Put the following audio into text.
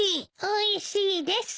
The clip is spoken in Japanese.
おいしいです。